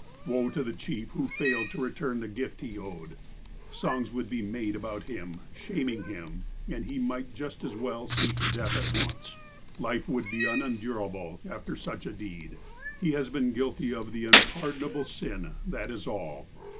Woe to the chief who failed to return the gift he owed. Songs would be made about him, "shaming" him, and he might just as well seek death at once. Life would be unendurable after such a deed. He has been guilty of the unpardonable sin, that is all.